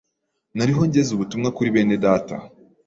Nariho ngeza ubutumwa kuri bene Data,